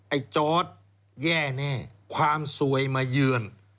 ไอ้จอร์ดแย่แน่ความสวยมาเยือน